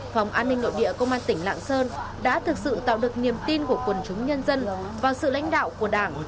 phòng an ninh nội địa công an tỉnh lạng sơn đã thực sự tạo được niềm tin của quần chúng nhân dân vào sự lãnh đạo của đảng